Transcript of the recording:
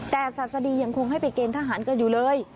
แต่ศาสดียังคงให้ไปเกณฑหารกันอยู่เลย